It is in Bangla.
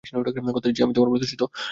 কথা দিচ্ছি, আমি তোমার প্রতিশোধও নিবো।